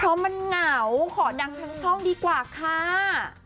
เพราะมันเหงาขอดังทั้งช่องดีกว่าค่ะ